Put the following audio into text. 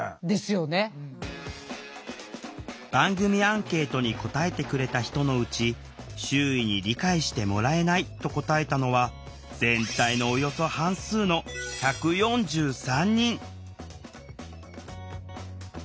番組アンケートに答えてくれた人のうち「周囲に理解してもらえない」と答えたのは全体のおよそ半数の１４３人。